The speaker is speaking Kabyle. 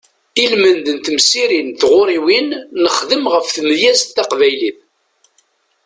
Ilmend n temsirin d tɣuriwin nexdem ɣef tmedyazt taqbaylit.